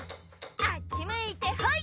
あっちむいてほい！